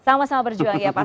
sama sama berjuang ya pak